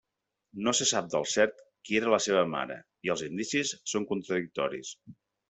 No se sap del cert qui era la seva mare i els indicis són contradictoris.